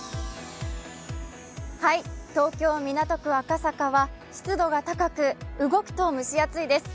東京・港区赤坂は湿度が高く動くと蒸し暑いです。